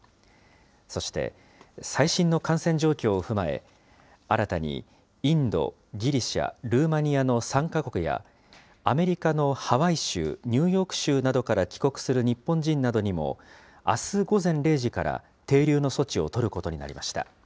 そして、最新の感染状況を踏まえ、新たにインド、ギリシャ、ルーマニアの３か国や、アメリカのハワイ州、ニューヨーク州などから帰国する日本人などにも、あす午前０時から、停留の措置を取ることになりました。